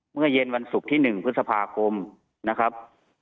เมื่อเย็นวันศุกร์ที่๑พฤษภาคมนะครับ